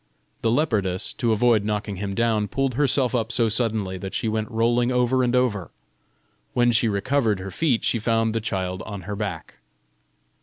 The leopardess, to avoid knocking him down, pulled herself up so suddenly that she went rolling over and over: when she recovered her feet she found the child on her back.